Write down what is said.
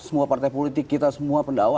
semua partai politik kita semua pendawa